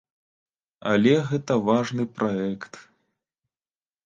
Але гэта важны праект.